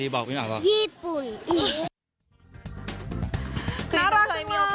อีก๗วันครับ